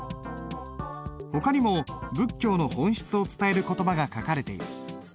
ほかにも仏教の本質を伝える言葉が書かれている。